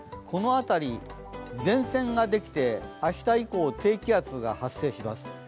この辺り、前線ができて、明日以降、低気圧が発生します。